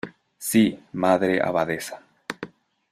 sí, Madre Abadesa.